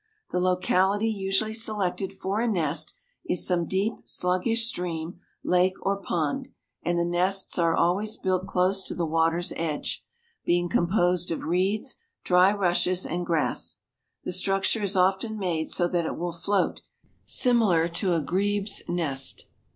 The locality usually selected for a nest is some deep, sluggish stream, lake, or pond, and the nests are always built close to the water's edge, being composed of reeds, dry rushes, and grass. The structure is often made so that it will float, similar to a grebe's nest.